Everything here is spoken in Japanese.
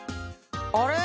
あれ？